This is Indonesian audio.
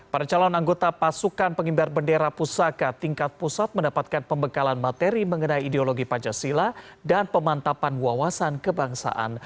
para calon anggota pasukan pengibar bendera pusaka tingkat pusat mendapatkan pembekalan materi mengenai ideologi pancasila dan pemantapan wawasan kebangsaan